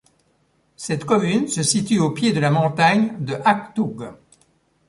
Cette commune se situe au pied de la montagne de Achtoug.